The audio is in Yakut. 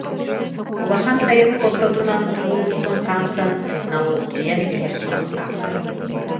Улахан сайылык ортотунан, суол устун хаамсан налылдьыйан иһэр сурахтаахтара